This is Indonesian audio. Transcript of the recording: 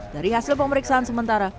dari hasil pemeriksaan sementara